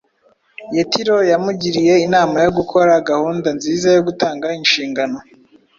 Yetiro yamugiriye inama yo gukora gahunda nziza yo gutanga inshingano.